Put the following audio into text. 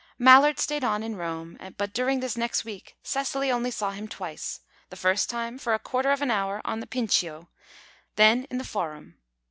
Mallard stayed on in Rome, but during this next week Cecily only saw him twice the first time, for a quarter of an hour on the Pincio; then in the Forum.